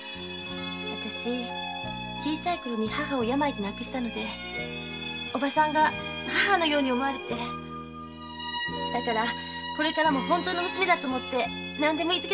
わたし小さいころに母を病で亡くしたのでおばさんが母のように思われてだからこれからも本当の娘だと思って何でもいいつけてくださいね。